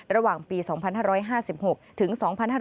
ระหว่างปี๒๕๕๖ถึง๒๕๕๙